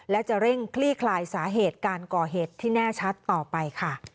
และจะเร่งคลี่คลายสาเหตุการก่อเหตุที่แน่ชัดต่อไปค่ะ